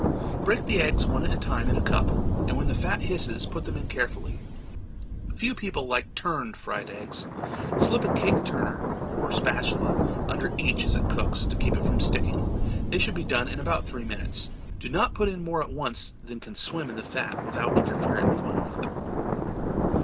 Break the eggs one at a time in a cup, and when the fat hisses put them in carefully. Few people like "turned" fried eggs. Slip a cake turner or spatula under each as it cooks to keep it from sticking. They should be done in about three minutes. Do not put in more at once than can swim in the fat without interfering with one another.